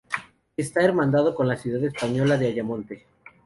Está hermanado con la ciudad española de Ayamonte.